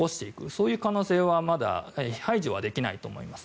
そういう可能性は排除はできないと思います。